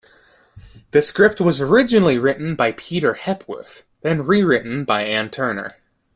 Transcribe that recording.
The script was originally written by Peter Hepworth then rewritten by Ann Turner.